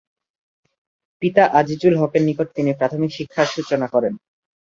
পিতা আজিজুল হকের নিকট তিনি প্রাথমিক শিক্ষার সূচনা করেন।